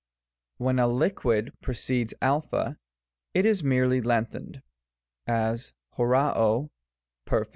When a liquid pre cedes a, it is merely lengthened; as, oQa o), Perf.